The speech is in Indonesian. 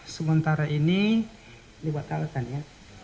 karena ini dibatalkan ya